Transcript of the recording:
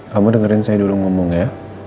kamu dengerin saya dulu ngomong ya